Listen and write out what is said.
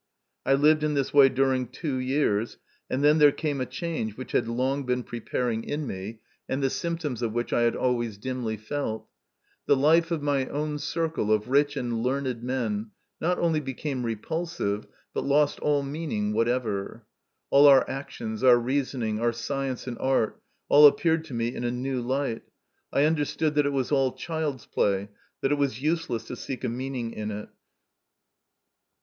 I lived in this way during two years, and then there came a change which had long been preparing in me, MY CONFESSION. 101 and the symptoms of which I had always dimly felt : the life of my own circle of rich and learned men, not only became repulsive, but lost all meaning whatever. All our actions, our reasoning, our science and art, all appeared to me in a new light. I understood that it was all child's play, that it was useless to seek a meaning in it.